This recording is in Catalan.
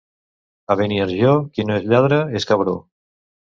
A Beniarjó, qui no és lladre és cabró.